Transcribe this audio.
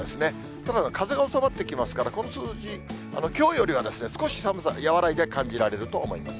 ただ、風が収まってきますから、この数字、きょうよりは少し寒さ、和らいで感じられると思います。